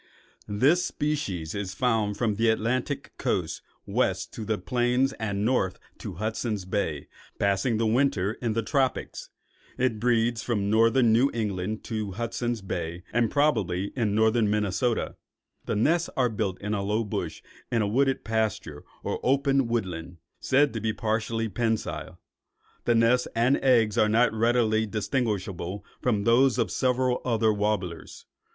This species is found from the Atlantic coast west to the plains and north to Hudson's Bay, passing the winter in the tropics. It breeds from northern New England to Hudson's Bay and probably in northern Minnesota. The nest is built in a low bush in a wooded pasture or open woodland, said to be partially pensile. The nest and eggs are not readily distinguishable from those of several other warblers.